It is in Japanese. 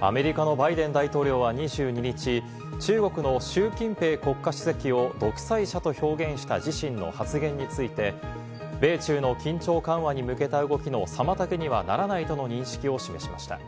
アメリカのバイデン大統領は２２日、中国のシュウ・キンペイ国家主席を独裁者と表現した自身の発言について、米中の緊張緩和に向けた動きの妨げにはならないとの認識を示しました。